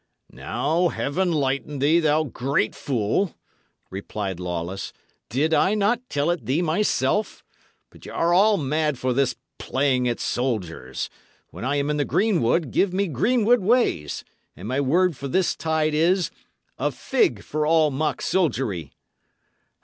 "Now, Heaven lighten thee, thou great fool," replied Lawless. "Did I not tell it thee myself? But ye are all mad for this playing at soldiers. When I am in the greenwood, give me greenwood ways; and my word for this tide is: 'A fig for all mock soldiery!'"